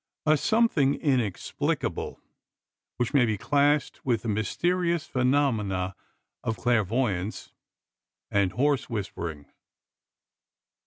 A something inexplicable, which may be classed with the mysterious phenomena of clairvoyance and "horse whispering."